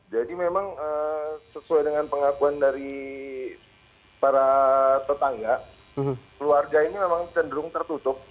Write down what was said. jadi memang sesuai dengan pengakuan dari para tetangga keluarga ini memang cenderung tertutup